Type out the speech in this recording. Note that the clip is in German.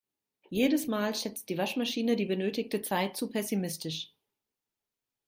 Jedes Mal schätzt die Waschmaschine die benötigte Zeit zu pessimistisch.